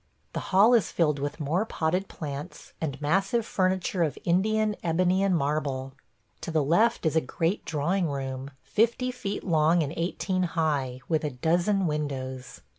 The hall is filled with more potted plants, and massive furniture of Indian ebony and marble. To the left is a great drawing room, fifty feet long and eighteen high, with a dozen windows.